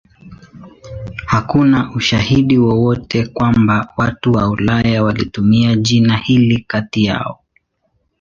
Hakuna ushahidi wowote kwamba watu wa Ulaya walitumia jina hili kati yao.